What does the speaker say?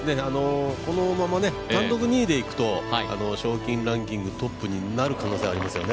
このまま単独２位でいくと賞金ランキングトップになる可能性はありますよね。